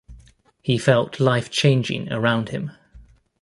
He felt life changing around him.